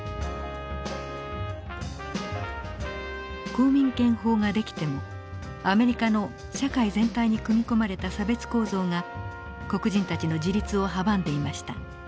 公民権法が出来てもアメリカの社会全体に組み込まれた差別構造が黒人たちの自立を阻んでいました。